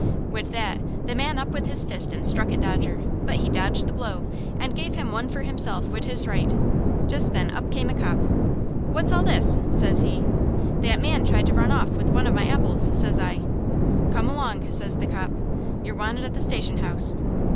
"Wid that the man up with his fist and struck at Dodger, but he dodged the blow, and gave him one for himself wid his right. Just then up came a cop. "'What's all this?' says he. "'That man tried to run off wid one of my apples,' says I. "'Come along,' says the cop. 'You're wanted at the station house.'